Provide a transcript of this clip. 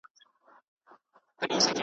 کوه نور غوندي ځلېږي یو غمی پکښي پیدا کړي .